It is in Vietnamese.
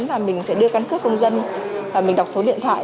và mình sẽ đưa căn cước công dân và mình đọc số điện thoại